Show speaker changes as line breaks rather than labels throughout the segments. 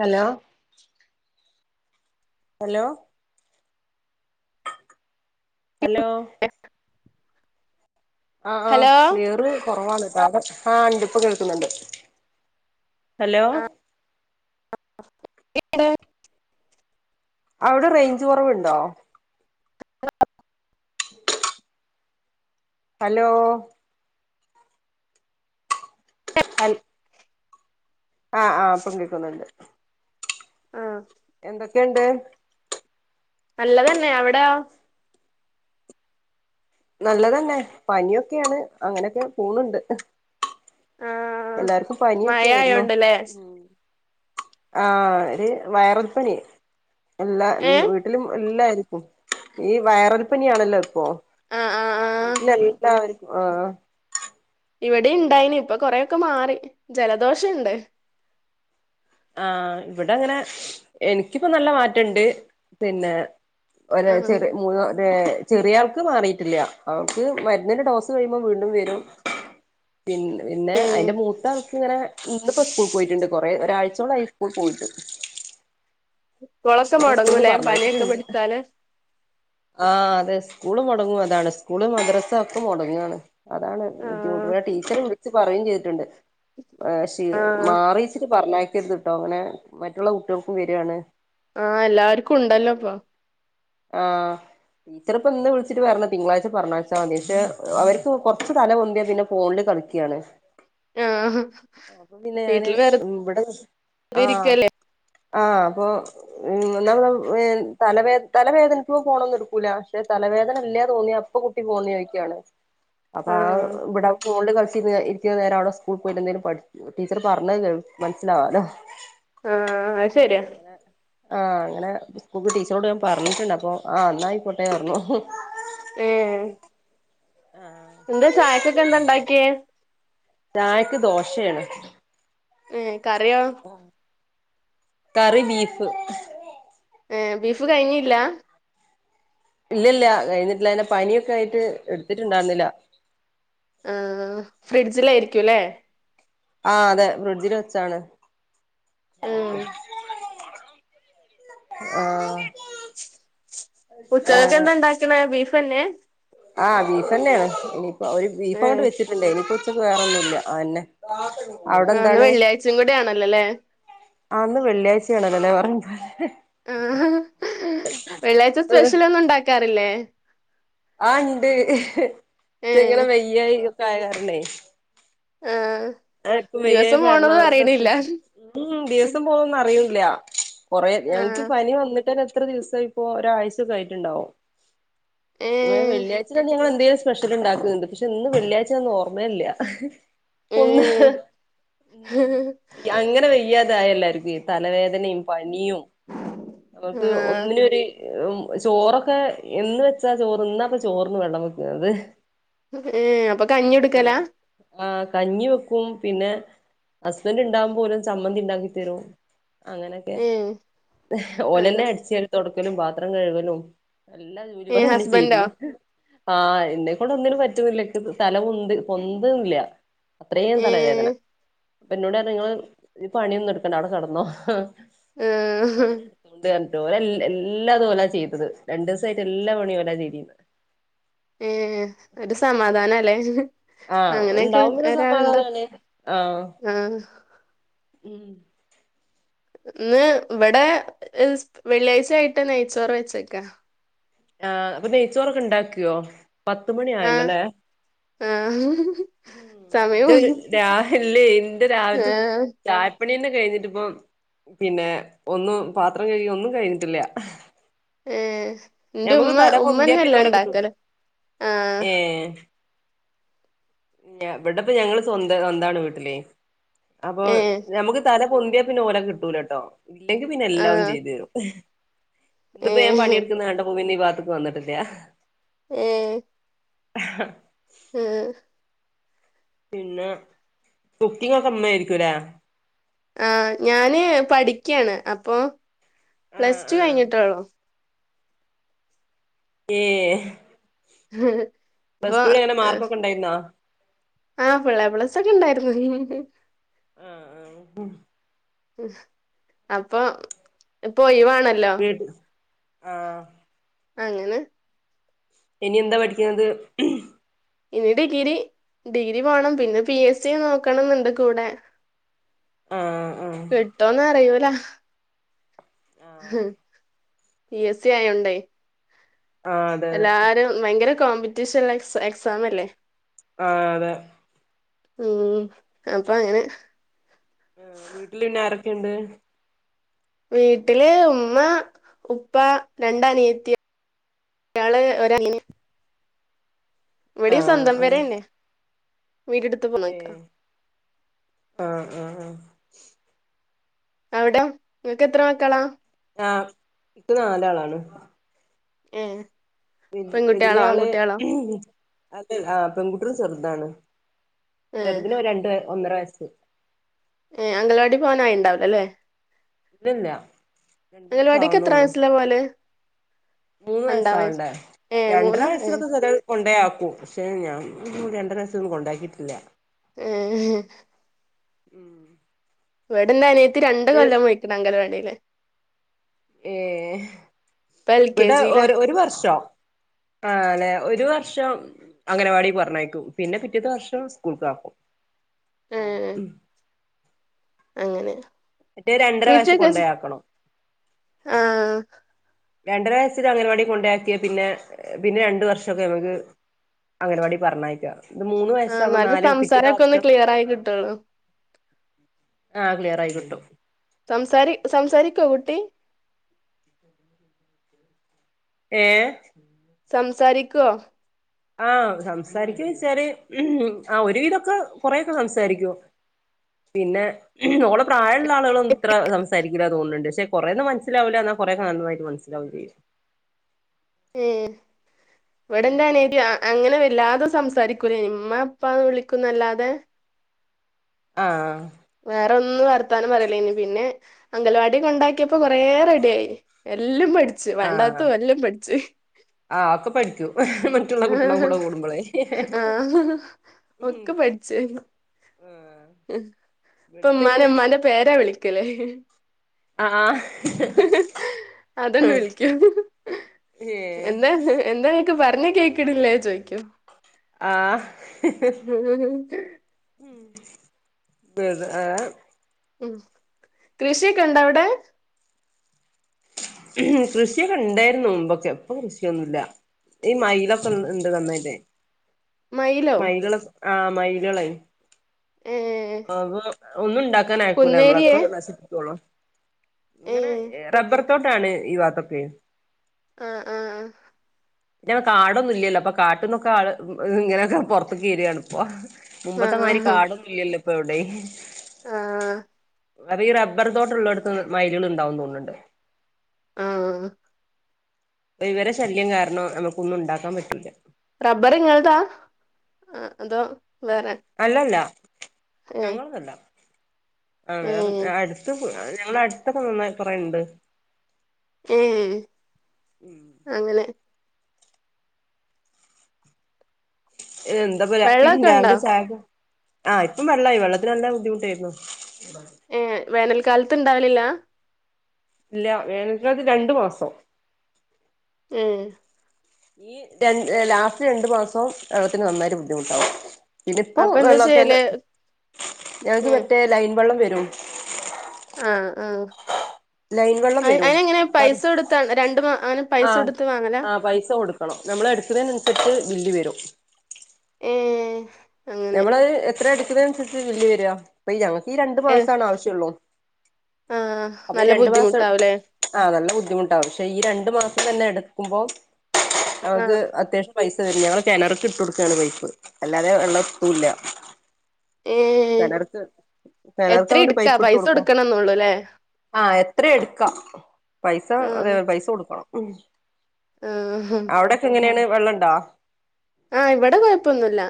Hello hello hello ആഹ്
hello
ആഹ് clear കൊറവാണ് ട്ടൊ അവിടെ ആ ഇണ്ട് ഇപ്പൊ കേൾക്ക്ന്നുണ്ട് ഹലോ
ഇയെടെ
അവ്ടെ റേഞ്ച് കൊറവ്ണ്ടോ? ഹലോ ഹൽ ആഹ് ആഹ് ഇപ്പം കേക്കുന്നുണ്ട്
ആ
എന്തൊക്കേണ്ട്
നല്ലതന്നെ അവ്ടയൊ
നല്ലതെന്നെ പനിയൊക്കേണ് അങ്ങനൊക്കെ പോവ്ണ്ട്
ആഹ്
എല്ലാർക്കും
മഴ
പനിയൊക്കേയ്രുന്നു
ആയോണ്ടല്ലേ
ഉം ആഹ് ഒര് വൈറൽ പനി എല്ലാ എല്
ഏഹ്
വീട്ടിലും എല്ലാര് ഉം ഈ വൈറൽപ്പനിയാണല്ലോ ഇപ്പോ
ആഹ് ആഹ് ആഹ്
വീട്ടില് എല്ലാവര്ക്കും ആഹ്
ഇവിടിം ഇണ്ടായിനി ഇപ്പൊ കൊറെയൊക്കെ മാറി ജലദോഷണ്ട്
ആഹ് ഇവ്ടെങ്ങനെ എനിക്കിപ്പോ നല്ല മാറ്റണ്ട് പിന്നെ
ആഹ്
ഒരാഴ്ച്ചേല് മൂന്ന് നാ ഏ ചെറിയാൾക്ക് മാറിട്ടില്ല അവൾക്ക് മരുന്നിന്റെ ഡോസ് കഴിയുമ്പോ വീണ്ടും വരും പിന്നെ പിന്നെ
ഏഹ്
അയ്ന്റെ മൂത്താൾക്ക് ഇങ്ങനെ ഇന്നിപ്പോ സ്കൂള് പോയിട്ട്ണ്ട് കൊറേ ഒരാഴ് ച്ചോളായി സ്കൂള് പോയിട്ട്
കൊളൊക്കെ
[inaudible] സ്കൂള്
മൊടങ്ങൂലേ പനിയൊക്കെ
പറഞ്ഞയച്ചിട്ടുണ്ട്
പിടിച്ചാല്
ആഹ് അതെ സ്കൂള് മൊടങ്ങു അതാണ് സ്കൂള് മദ്രസൊക്കെ മൊടങ്ങാണ് അതാണ് ബുദ്ധിമുട്ട്
ആഹ്
പിന്നെ ടീച്ചറ് വിളിച്ച് പറയേം ചെയ്തിട്ടുണ്ട് ആ ശീ
ആഹ്
മാറീച്ചിട്ട് പറഞ്ഞയക്കരുത്ട്ടോ ഇങ്ങനെ മറ്റുള്ള കുട്ട്യള്ക്കും വരാണ്
ആ എല്ലാർക്കുണ്ടല്ലപ്പം
ആഹ് ടീച്ചറിപ്പം ഇന്ന് വിളിച്ചിട്ട് പറഞ്ഞ് തിങ്കളാഴ്ച പറഞ്ഞയച്ചാതി പക്ഷെ അവർക്ക് കൊറച്ച് തല പൊന്ത്യാ പിന്നെ ഫോണ് കളിക്കാണ്
ആഹ്
ഉം അപ്പൊ പിന്നെ ഞാന്
വീട്ടില് വെറുതെ
ഇവ്ടെ ആഹ്
ഇരിക്കല്ലേ
ആഹ് അപ്പൊ ഉം ഇന്നലെ വെ തലവേ തലവേദനിക്കുമ്പോ ഫോണൊന്നു എട്ക്കൂല പക്ഷെ തലവേദന ഇല്ല്യ തോന്ന്യാ അപ്പൊ കുട്ടി ഫോൺ ചോദിക്കാണ് അപ്പൊ ആ
ആഹ്
ഇവ്ടെ ഫോണിൽ കളി ച്ച്ന്നെ ഇര്ത്ത്യ നേരം അവിടെ സ്കൂൾ പോയിട്ടെ ന്തേലും പഠ് ടീച്ചർ പറഞ്ഞെ കേൾ മനസ്സിലാവാലോ
ആഹ് അത് ശരിയാ
ആഹ് അങ്ങനെ സ്കൂക്ക് ടീച്ചറോട് ഞാൻ പറഞ്ഞിട്ടുണ്ട് അപ്പൊ ആ ന്നായി കോട്ടെ ർന്നു
ഏഹ്
ആഹ്
എന്താ ചായക്കൊക്കെ എന്താ ഉണ്ടാക്കിയേ
ചായക്ക് ദോശയാണ്
ഏ കറിയോ
കറി ബീപ്പ്
ഏ ബീഫ് കഴിഞ്ഞില്ല
ഇല്ല ഇല്ല കഴിഞ്ഞിട്ടില്ല അയ്ന് പനിയൊക്കെ ആയിട്ട് എടുത്തിട്ടുണ്ടായിരുന്നില്ല
ആഹ് ഫ്രിഡ്ജിലയിരുക്കുല്ലേ
ആഹ് അതെ ബ്രിഡ്ജിൽ വെച്ചാണ്
ഉം
ആ
ഉച്ചകൊക്കെ എന്താ ഉണ്ടാക്ക്ണെ ബീഫ്ന്നെ
ആഹ് ബീഫ് തന്നെയാണ് ഇനിയിപ്പോ ഒരു ബീഫ് അങ്ങോണ്ട്
ഏഹ്
വെച്ചിട്ടുണ്ടേ ഇനിപ്പോ ഉ വേറൊന്നുല്ല ആ എന്നെ അവിടെ
ആഹ് ഇന്ന്
എന്താണ്
വെള്ളിയാഴ്ചയും കൂടി ആണല്ലോല്ലേ
ആഇന്ന് വെള്ളിയാഴ്ചയാണല്ലോല്ലേ പറഞ്ഞ അ
ആ വെള്ളിയാഴ്ച സ്പെഷ്യൽ ഒന്നും ഉണ്ടാക്കാറില്ലേ
ആ ഉണ്ട് ചെങ്ങനെ
ഏഹ്
വെയ്യായി ഒക്കെ ആയകാരനെ
ആഹ്
ആക്കും വയ്യായ
ദിവസം
കാരണം
പോണതും അറിയണില്ല
ഉം ദിവസം പോവ്ണൊന്നും അറിയൂല്ല കൊറെ ഞങ്ങക്ക്
ആഹ്
പനി വന്നിട്ടെന്നെ എത്ര ദിവസായി പ്പൊ ഒരാഴ്ചൊക്കെ ആയിട്ടുണ്ടാവും
ഏഹ്
വെള്ളിയാഴ്ച തന്നെഞാങ്ങള് എന്തേലും സ് പെഷ്യല് ഉണ്ടാക്ക്ണ്ട് പക്ഷെ ഇന്ന് വെള്ളിയാഴ്ചന്നും ഓർമ്മല്ല ഒന്ന്
ഏഹ്
ഉം അങ്ങനെ വയ്യാതായെല്ലാർക്കും തലവേദനിം പ നിയും നമൾക്ക്
ആഹ്
ഒന്നിനും ഒരു ഉം ചോറൊക്കെ എന്ന് വെച്ചാ ചോറ് ഇന്നാപ്പ ചോറിന്ന് വെള്ളം വെക്കുന്നത്
ഏ അപ്പൊ കഞ്ഞികുടുക്കലാ
ആഹ് കഞ്ഞി വെക്കും പിന്നെ ഹസ്ബൻറ് ഉണ്ടാകുമ്പോ പോലും ചമ്മന്തി ഉണ്ടാക്കി തരും അങ്ങനൊക്കെ
ഏഹ്
ഓലല്ലെ
അങ്ങനെ
അടിച്ച തുടക്കലും പാത്രം കഴുകലും എല്ലാ ജോലി
ഏഹ്
ഓലെന്നെ
ഹസ്ബൻഡോ
ചെയ്തത് ആഹ് എന്നെക്കൊണ്ട് ഒന്നിനും പറ്റുന്നില്ല തല പൊന്തില്ല അത്രയും തലവേദന
ഏഹ്
അപ്പൊ ന്നോട് നിങ്ങള് ഈ പണിയൊന്നും എടുക്കണ്ട അവിടെ കടന്നോ
ആഹ്
ഞാൻ എടുത്തോണ്ട് ഓലെ എല്ലാതും ഓലാ ചെയ്തത് രണ്ടു ദിവസായിട്ട് എല്ലാ പണിയും ഓല ചെയ്തിന്ന്
ഏ ഒരു സമാധാനല്ലേ
ആഹ്
അങ്ങനെയൊക്കെ
ഉണ്ടാവുമ ഒരു
ഒരാളുണ്ടോ
സമാധാനാണ് ആഹ്
ആഹ്
ഉം
ഇന്ന് ഇവിടെ വെള്ളിയാഴ്ചയിട്ട് നെയ്ച്ചോർ വെച്ചക്കാ
ആ അപ്പൊ നെയ്ച്ചോറൊക്കെ ഉണ്ടാക്കിയോ പത്തുമണി
ആഹ്
ആയല്ലോല്ലേ
ആഹ് സമയം
എന്റെ രാ അല്ലേ ഇൻ്റെ രാവിൽതും
ആഹ്
ചാ യപ്പണിന്നെ കഴിഞ്ഞിട്ടിപ്പം പിന്നെ ഒന്നും പാത്രം കഴി ഒന്നും കഴിഞ്ഞിട്ടില്ല
ഏ ഇന്റെ
ഞമ്മക്ക്
ഉമ്മ
തല പൊന്തിയാ പിന്നെ
ഉമ്മന്നെല്ലാം
ഓലെ കിട്ടും
ഉണ്ടാക്കല് ആഹ്
ഏഹ് ഇവിടെപ്പ ഞങ്ങള് സ്വന്തം സ്വന്താണ് വീട്ടിലെ അപ്പൊ
ഏഹ്
ഞമുക്ക് തല പൊന്തിയാ പിന്നെ ഓരെ കിട്ടൂല ട്ടോ ഇല്ലെങ്കി പിന്നെ എല്ലാം
ആഹ്
ചെയ്തു തരും ഇതിപ്പോ ഞാൻ
ഏഹ്
പണിയെടുക്കുന്ന വേണ്ട ഭൂമിന്ന് ഈ ഭാത്തക്ക് വന്നിട്ടില്ല
ഉം ആ
പിന്നെ കുക്കിങ്ങ് ഒക്കെ അമ്മ ആയിരിക്കുലേ
ആ ഞാന് പഠിക്കുകയാണ് അപ്പൊ
ആഹ്
പ്ലസ് ടു
ആഹ്
കഴിഞ്ഞിട്ടെയുള്ളൂ
ഏ പ്ലസ് ടുവിൽ എങ്ങനെ മാർക്കൊക്കെ ഉണ്ടായിരുന്നാ
ആ ഫുൾ എ പ്ലസൊക്കെ ഉണ്ടായിരുന്നു
ആ ആ
ഉ അപ്പൊ പോയി വണ [unintelligible]
വീട്ട ആ
അങ്ങനെ
ഇനി എന്താ പഠിക്കുന്നത്
ഇനി ഡിഗ്രി ഡിഗ്രി പോണം പിന്നെ പി എസ് സി നോക്കണം എന്നുണ്ട് കൂടെ
ആഹ് ആഹ്
കിട്ടോന്ന് അറിയൂല
ആഹ്
പി എസ് സി ആയൊണ്ടേ
ആഹ് അതെ
എല്ലാരും ഭയങ്കര കോമ്പറ്റീഷണൽ എക്സ് എക്സാം അല്ലേ
ആ അതെ
ഉം അപ്പൊ അങ്ങനെ
ക്കെയുണ്ട്
വീട്ടില് ഉമ്മ ഉപ്പ രണ്ട് അനിയത്തിയ അയാള് ഒരാ ഇവിടെയും
ആഹ്
സ്വന്തം വരന്നെ
ഏ ആ ആ ആ
അവിടെ നിങ്ങൾക്ക് എത്ര മക്കളാ
ആ ഇപ്പ നാലാളാണ്
ഏ
വ
പെൺകുട്ടികളോ
വല്യ ആള്
ആൺകുട്ടികളോ
അത് ആ പെൺകുട്ടികൾ ചെറുതാണ്
ഏ
ചെറുതിന് ഒരു രണ്ട് ഒന്നര വയസ്സ്
ഏ അംഗൽവാടി പോവാനായിണ്ടാവിലല്ലേ
ഇല്ലില്ല
അങ്ങനവാടിക്ക് എത്ര വയസ്സിലാ പോവാലെ
മൂന്ന് വയസ്സ ആവണ്ടേ
ഏ
രണ്ടര
മൂന്ന് ഏ
വയസ്സൊക്കെ ച കൊണ്ടോയാക്കും പക്ഷെ ഞാൻ രണ്ടര വയസില്ലോന്നും കൊണ്ടാക്കിയിട്ടില്ല
[unintelligible]
ഉം
ഇവിടെന്റെ അനിയത്തി രണ്ട് കൊല്ലം പോയേക്കണ് അങ്കനവാടിയില്
ഏഹ്
ഇപ്പൊ എൽ കെ
ഇവിടെ
ജിയിലാ
ഒരു വർഷോ ആല്ലെ ഒരു വർഷ വർഷം അംഗനവാടി പറഞ്ഞയക്കും പിന്നെ പിറ്റിത്ത വർഷം സ്കൂൾക്ക് ആക്കും അങ്ങനെ
ഏ അങ്ങനെ
മറ്റേ രണ്ടര വയസ്സ്
കൃഷിയൊക്കെ
കൊണ്ടയാക്കണം
ആ
രണ്ടര വയസിൽ അംഗൻവാടിയിൽ കൊണ്ടാക്കിയ പിന്നെ പിന്നെ രണ്ടു വർഷൊക്കെ നമുക്ക് അംഗനവാടി പറഞ്ഞായിച്ച ഇത് മൂന്ന്
ആഹ് നല്ല
വയസാകുന് [unintelligible] പിറ്റത
സംസാരൊക്കെ ഒന്ന്
വർഷം
ക്ലിയർ ആയി
ആ
കിട്ടുള്ളൂ
ആ ക്ലിയർ ആയിക്കിട്ടും
സംസാരി സംസാരിക്കോ കുട്ടി
ഏ
സംസാരിക്കുവോ
ആ സംസാരിക്ക വെച്ചാല് ഉ ആ ഒരുവിധൊക്കെ കൊറെക്കെ സംസാരികും പിന്നെ ഓളെ പ്രായള്ള ആളുകളും ഇത്ര സംസാരിക്കൂല തോന്നുന്നുണ്ട് പക്ഷെ കുറേ ഒന്നും മനസ്സിലാവൂല്ല എന്നാ കുറെയൊക്കെ നന്നായിട്ട് മനസ്സിലാവും ചെയ്യും
ഏ ഇവിടെന്താരി [unintelligible] അങ്ങനെ ല്ലാതെ സംസാരിക്കൂലേനി. ഇമ്മാ ഇപ്പാന്ന് വിളിക്കുന്നല്ലാതെ.
ആ
വേറെ ഒന്നും വർത്താനം പറയൂ വേളി. പിന്നെയും, അംഗലവാടി കൊണ്ടാക്കിയപ്പോ കൊറേ റെഡിയായി. എല്ലം പഠിച്ചു വേണ്ടാത്തും എല്ലം പഠിച്ചു.
ആ ഒക്കെ പഠിക്കും മറ്റുള്ള കുട്ടികള
ആഹ്
കൂടെ കൂടുമ്പോളെയ്
ആഹ്
ഹ ഹ
[unintelligible] ഹമ് ഇപ്പൊ
ഇവിടെ ഇവര്
ഇമ്മാനെ ഇമ്മാന്റെ പേരാ വിളിക്കല്.
ആഹ്
ഹഹ അതെന്നെ വിളിക്ക്യ.
ഏഹ്
എന്താ എന്താ നിക്ക് പറഞ്ഞ കേക്കിണ്ല്ലെ ചോയ്
ആ ഹ ഹ ഹ [unintelligible]
മം കൃഷിയൊക്കെ ഇണ്ടോ അവിടെ.
ഹമ് കൃഷിയൊക്കെ ഇണ്ടായിരുന്നു മുമ്പൊക്കെ പ്പൊ കൃഷിയൊന്നുല്ല. ഈ മയിലൊക്കെ ഇണ്ട് നന്നായിട്ടേ.
മയിലോ
മൈകൾ ആ മൈകളെയി
ഏ
അപ്പൊ ഒന്നും ഇണ്ടാക്കാൻ അയക്കൂല മ്മളെ ഒക്കെ
കുന്നേരിയേ
നശിപ്പിക്കൊള്ളു.
ഏ
ഇങ്ങനെ എ റബ്ബർത്തോട്ടാണ് ഈ ഭാത്തൊക്കെ.
ആ ആ ആഹ്
കാടൊന്നും ഇല്ലല്ലോ അപ്പൊ കാട്ട് ന്നൊക്കെ ആള് ഇങ്ങനൊക്കെ പൊറത്തക്ക് വരാണിപ്പോ.
ആ
മുമ്പത്തെമാരി കാടൊന്നും ഇല്ലല്ലോ ഇപ്പൊ എവുടിം.
ആഹ്
ഈ റബ്ബർ തോട്ടള്ളട്ത് മൈലുകൾണ്ടാവും തോന്ന്ണ്ണ്ണ്ട്.
ആ
ഇവരെ ശല്യം കാരണം നമുക്കൊന്നും ഇ ണ്ടാക്കാൻ പറ്റൂല.
റബ്ബർ ഇങ്ങള്താ ആ അതോ. വേറെ
അല്ലല്ല
ഏ
ഞങ്ങള്തല്ല. ആ
ഏ
വേറെ അട്ത് ഞങ്ങളെ അടുത്തൊക്കെ നന്നായി കൊറെണ്ട്.
ഏ അങ്ങനെ
എന്താപ്പോ ഉം
വെള്ളമൊക്കെ ഉണ്ടോ
രാവിലെ ചായക്ക് ആ ഇപ്പം വെള്ളായി വെള്ളത്തിന് നല്ല ബുദ്ധിമുട്ടേയിരുന്നു.
ഏ വേനൽക്കാലത്ത് ഇണ്ടാവലില്ല?
ഇല്ല വേനക്കാലത്ത് രണ്ടു മാസം.
ഏ
ഈ ര [unintelligible] ലാസ്റ്റ് രണ്ട് മാസവും വെള്ളത്തിന് നന്നായിട്ട് ബുദ്ധിമുട്ടാവും. ഇനിപ്പോ
അപ്പൊ എന്താ
വെള്ളൊക്കെങ്ങ്
ചെയ്യല്
ഞങ്ങക്ക്
ഏ
മറ്റേ ലൈൻ വെള്ളം വെരും.
ആ ആ
വെള്ളം
അയ്
വരും
അയ്നങ്ങനെ
അപ്പൊ അത്
പൈസ കൊടുത്ത് രണ്ടും ആ അങ്ങനെ പൈസ കൊടുത്ത് വാങ്ങല?
നമ്മള് എടക്കുന്നേനൻസരിച്ച് ബില്ല് വരും.
ഏ അങ്ങനെ
നമ്മള് അഹ് എത്ര എടുക്കുന്നെ അനുസരിച്ച് ബില്ല് വെര [unintelligible] ഈ രണ്ടു മാസാണ് ആവശ്യംള്ളു
ആഹ്
അപ്പൊ ഈ
നല്ല
രണ്ട് മാസം
ബുദ്ധിമുട്ടാവുംല്ലേ
ആ നല്ല പക്ഷെ ഈ രണ്ടു മാസം തന്നെ എടുക്കുമ്പോൾ നമുക്ക്
ആഹ്
അത്യാവശ്യം പൈസ വെരും ഞങ്ങൾ കിണർക്ക് ഇട്ട് കൊടുക്കാണ് പൈപ്പ് അല്ലാതെ വെള്ളം എത്തൂല്ല
ഏഹ്
കെണർക്ക് കെണർക്ക്
എത്ര
അങ്ങട്ട്
ഇടുക്കാ
പൈപ്പ് ഇട്ടു
പൈസ
കൊടുക്കും
കൊടുക്കണംന്നൊള്ളൂല്ലേ
ആഹ് എത്രേം എടുക്കാം പൈസ അതേ
ആഹ്
പൈസ കൊടുക്കണം. മം
ആഹ്
അവിടൊക്കെ എങ്ങനേണ് വെള്ളംണ്ടോ?
ആഹ് ഇവിടെ കൊഴപ്പൊന്നുല്ല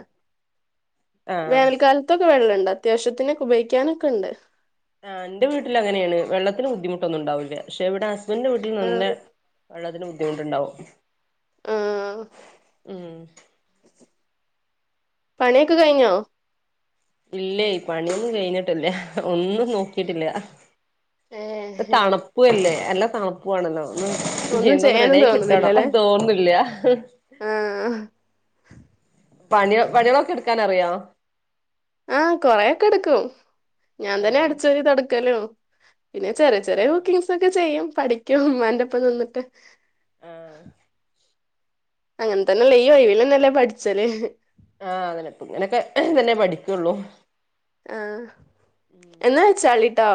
ആഹ്
വേനൽക്കാലത്തൊക്കെ വെള്ളണ്ട് അത്യാവശ്യത്തിനൊക്കെ ഉപയോഗിക്കാനൊക്കെ ഉണ്ട്.
ആഹ് ഇന്റെ വീട്ടില് അങ്ങനേണ് വെള്ളത്തിന് ബുദ്ധിമുട്ടൊന്നുണ്ടാവൂല്ല പക്ഷെ ഇവിടെ ഹസ് ബൻന്റെ വീട്ടില് നല്ല
ആഹ്
വെള്ളത്തിന് ബുദ്ധിമുട്ട്ണ്ടാവും.
ആഹ്
ഉം
പണിയൊക്കെ കഴിഞ്ഞോ
ഇല്ലേ പണിയൊന്നും കഴിഞ്ഞിട്ടില്ല ഒന്നും നോക്കിയിട്ടില്ല
ഏഹ്
തണുപ്പ് അല്ലേ നല്ല തണുപ്പും ആണല്ലോ ഉം
ഒന്നും
എന്തോന്ന്
ചെയ്യാനും
റെഡായി കിട്ടണം,
തോന്നുന്നില്ലല്ലേ
അത് തോന്നുന്നില്ല.
ആഹ്
പണിയ പണികളൊക്കെ എടുക്കാനറിയോ
ആഹ് കൊറെയൊക്കെ എടുക്കും ഞാൻ തന്നെ
ആഹ്
അടിച്ച് വാരി തൊടയ്ക്കലും പിന്നെ ചെറിയ ചെറിയ
ആഹ്
കുക്കിങ്സ് ഒക്കെ ചെയ്യും, പഠിക്കും ഉമ്മാന്റൊപ്പം നിന്നിട്ട്.
ആഹ്.
അങ്ങനെ തന്നെല്ലേ ഈ ഒഴവിൽന്നല്ലേ പഠിച്ചല്
ആഹ് അതിനൊപ്പെ ഇങ്ങനൊക്കെ തന്നെ പഠിക്കുള്ളു
ആഹ് എന്നാ വെച്ചാളിട്ടോ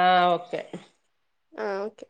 ആഹ് ഓക്കെ
ആഹ് ഓക്കെ.